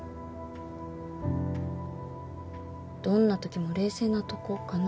どんなときも冷静なとこかな。